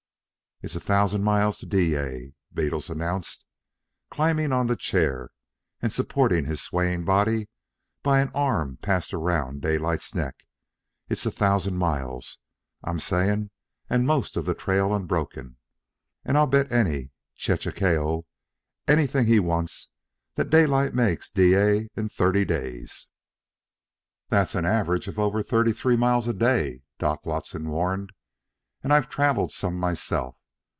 "It's a thousand miles to Dyea," Bettles announced, climbing on the chair and supporting his swaying body by an arm passed around Daylight's neck. "It's a thousand miles, I'm sayin' an' most of the trail unbroke, but I bet any chechaquo anything he wants that Daylight makes Dyea in thirty days." "That's an average of over thirty three miles a day," Doc Watson warned, "and I've travelled some myself.